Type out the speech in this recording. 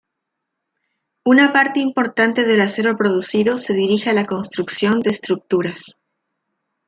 Una parte importante del acero producido se dirige a la construcción de estructuras.